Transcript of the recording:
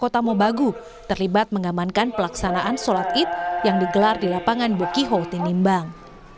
kota mobagu terlibat mengamankan pelaksanaan sholat id yang digelar di lapangan bokiho tinimbang